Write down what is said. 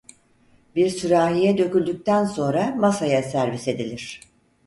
Bir sürahiye döküldükten sonra masaya servis edilir.